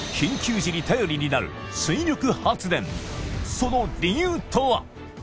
その理由とは！？